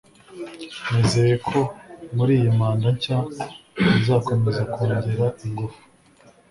nizeye ko muri iyi manda nshya bizakomeza kongera ingufu